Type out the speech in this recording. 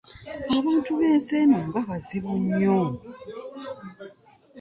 Abantu b’ensi eno nga bazibu nnyo!